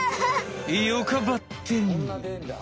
よかばってん！